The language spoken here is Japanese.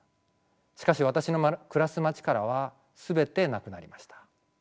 しかし私の暮らす街からは全てなくなりました。